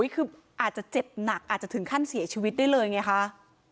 คืออาจจะเจ็บหนักอาจจะถึงขั้นเสียชีวิตได้เลยไงคะ